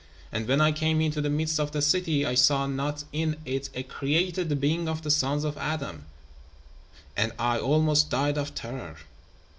And when I came into the midst of the city, I saw not in it a created being of the sons of Adam; and I almost died of terror.